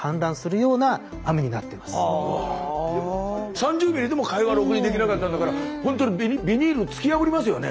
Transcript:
３０ミリでも会話ろくにできなかったんだからほんとにビニール突き破りますよね。